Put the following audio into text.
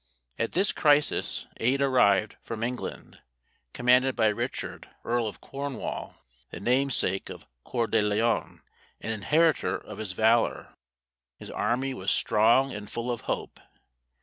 At this crisis aid arrived from England, commanded by Richard earl of Cornwall, the namesake of Coeur de Lion, and inheritor of his valour. His army was strong and full of hope.